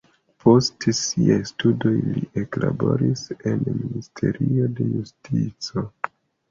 Post siaj studoj li eklaboris en ministerio pri justico.